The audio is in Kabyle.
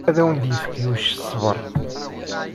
Ad awen-d-yefk Yuc ṣṣber.